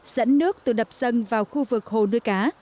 dẫn nước từ đập dân vào khu vực cờ rồng bông